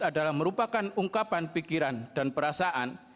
ini adalah ungkapan pikiran